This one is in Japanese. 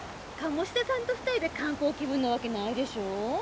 鴨志田さんと２人で観光気分なわけないでしょ。